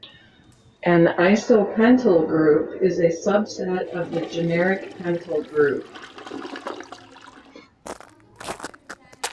An isopentyl group is a subset of the generic pentyl group.